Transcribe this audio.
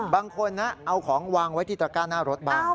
บางคนนะเอาของวางไว้ที่ตระก้าหน้ารถบ้าง